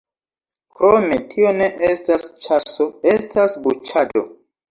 Krome, tio ne estas ĉaso: estas buĉado.